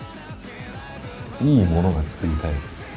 いいものが作りたいです。